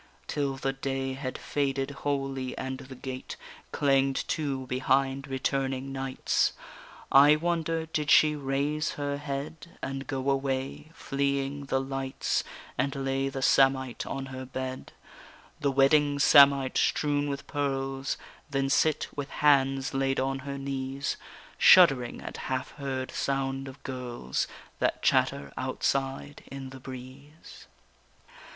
Till the day Had faded wholly, and the gate Clanged to behind returning knights? I wonder did she raise her head And go away, fleeing the lights; And lay the samite on her bed, The wedding samite strewn with pearls: Then sit with hands laid on her knees, Shuddering at half heard sound of girls That chatter outside in the breeze?